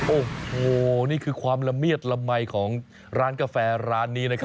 โอ้โหนี่คือความละเมียดละมัยของร้านกาแฟร้านนี้นะครับ